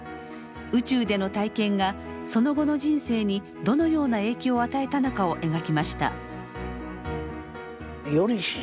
宇宙での体験がその後の人生にどのような影響を与えたのかを描きました。